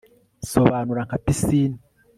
Sobanura nka pisine